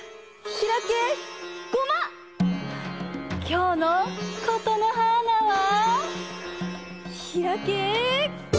きょうのことのはーなは。